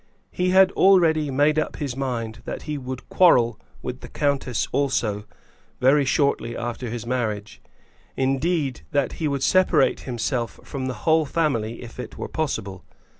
He had already made up his mind that he would quarrel with the countess also, very shortly after his marriage; indeed, that he would separate himself from the whole family if it were possible.